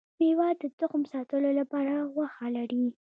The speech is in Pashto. ميوه د تخم ساتلو لپاره غوښه لري